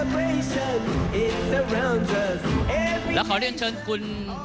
ท่านแรกครับจันทรุ่ม